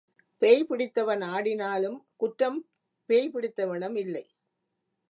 பேய் பிடித்தவன் ஆடினாலும், குற்றம் பேய் பிடித்தவனிடம் இல்லை.